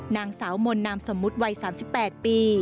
นางสาวมนต์นามสมมุติวัย๓๘ปี